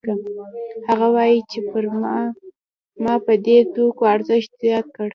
هغه وايي چې ما په دې توکو ارزښت زیات کړ